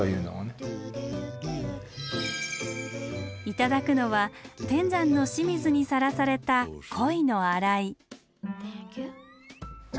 頂くのは天山の清水にさらされたえ！